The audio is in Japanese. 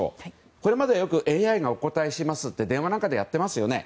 これまではよくＡＩがお答えしますって電話でやってますよね。